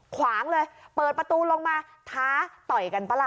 ขวางเลยเปิดประตูลงมาท้าต่อยกันปะล่ะ